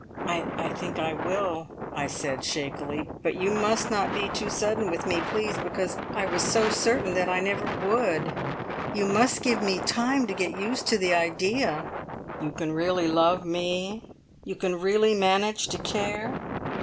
"I think I will!" I said shakily. "But you must not be too sudden with me, please, because I was so certain that I never would. You must give me time to get used to the idea." "You can really love me? You can really manage to care?"